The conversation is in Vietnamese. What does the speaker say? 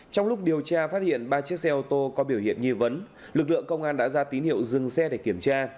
trong lúc điều tra phát hiện ba chiếc xe ô tô có biểu hiện nghi vấn lực lượng công an đã ra tín hiệu dừng xe để kiểm tra